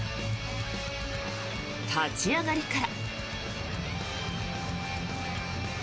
立ち上がりから。